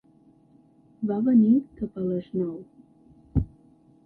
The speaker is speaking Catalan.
Va venir cap a les nou.